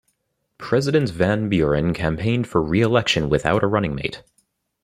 President Van Buren campaigned for re-election without a running mate.